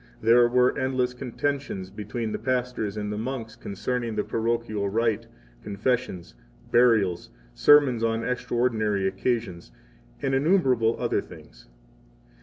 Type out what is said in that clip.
There were endless contentions between the pastors and the monks concerning the parochial right, confessions, burials, sermons on extraordinary occasions, and 3 innumerable other things.